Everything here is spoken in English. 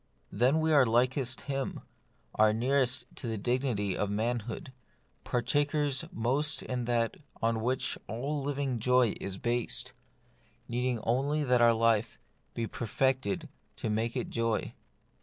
Then we are likest Him, are nearest to the dignity of manhood ; partakers most in that on which all living joy is based, needing only that our life be per fected to make it joy.